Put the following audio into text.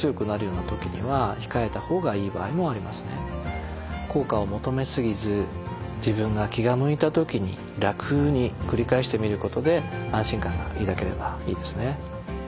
ただ効果を求めすぎず自分が気が向いたときに楽に繰り返してみることで安心感が抱ければいいですね。